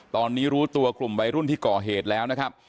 ตอนนี้รู้ตัวกลุ่มวัยรุ่นที่ก่อเหตุแล้วนะครับ